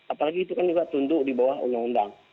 apalagi itu kan juga tunduk di bawah undang undang